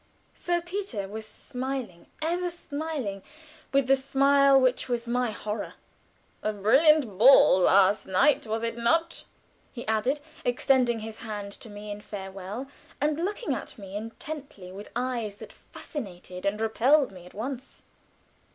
Sir Peter was smiling, ever smiling, with the smile which was my horror. "A brilliant ball, last night, was it not?" he added, extending his hand to me, in farewell, and looking at me intently with eyes that fascinated and repelled me at once.